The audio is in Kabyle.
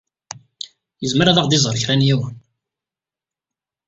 Yezmer ad aɣ-d-iẓer kra n yiwen.